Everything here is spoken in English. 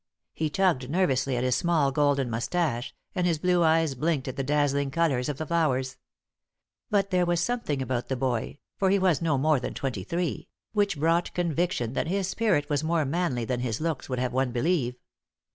He tugged nervously at his small golden moustache, and his blue eyes blinked at the dazzling colours of the flowers. But there was something about the boy for he was no more than twenty three which brought conviction that his spirit was more manly than his looks would have one believe.